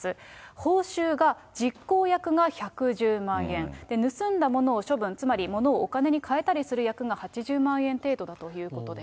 報酬が実行役が１１０万円、盗んだものを処分、つまり、物をお金に換えたりする役が８０万円程度だということです。